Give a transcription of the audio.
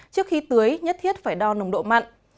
trước khi tưới nhất thiết phải đo nồng độ mặn